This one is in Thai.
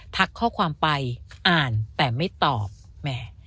ทักข้อความไปอ่านแต่ไม่ตอบแหม